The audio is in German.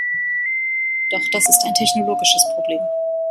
Doch das ist ein technologisches Problem.